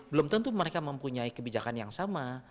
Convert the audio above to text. belum tentu mereka mempunyai kebijakan yang sama